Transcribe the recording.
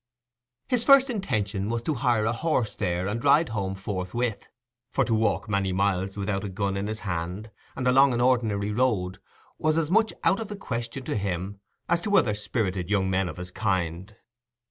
His first intention was to hire a horse there and ride home forthwith, for to walk many miles without a gun in his hand, and along an ordinary road, was as much out of the question to him as to other spirited young men of his kind.